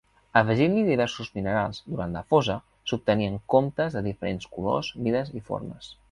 Afegint-li diversos minerals durant la fosa s'obtenien comptes de diferents colors, mides i formes.